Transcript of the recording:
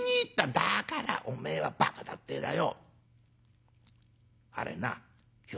「だからおめえはばかだってえだよ。